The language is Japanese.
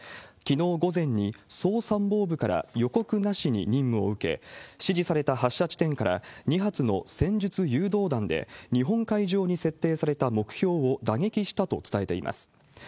きのう午前に総参謀部から予告なしに任務を受け、指示された発射地点から２発の戦術誘導弾で、日本海上に設定された目標を打撃したと伝えています。